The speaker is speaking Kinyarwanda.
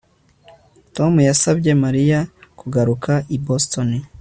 Tom yasabye Mariya kugaruka i Boston